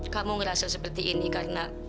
kamu ngerasa seperti ini karena